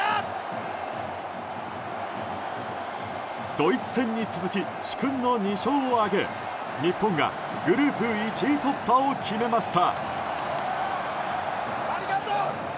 ドイツ戦に続き殊勲の２勝を挙げ日本がグループ１位突破を決めました。